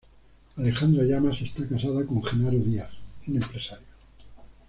Alejandra Llamas está casada con Genaro Díaz, un empresario.